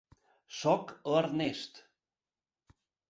Soc l'Ernest.